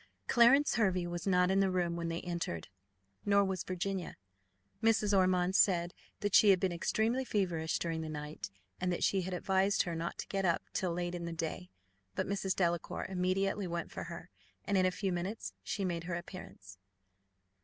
Clarence Hervey was not in the room when they entered, nor was Virginia: Mrs. Ormond said that she had been extremely feverish during the night, and that she had advised her not to get up till late in the day. But Mrs. Delacour immediately went for her, and in a few minutes she made her appearance.